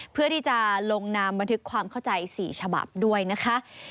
เพื่อที่จะลงนามบันทึกความเข้าใจ๔ฉบับด้วยนะคะ